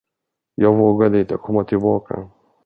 Jag vågade inte komma tillbaka.